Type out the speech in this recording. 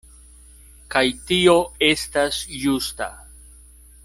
Kaj tio estas justa.